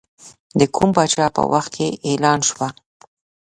د کوم پاچا په وخت کې اعلان شوه.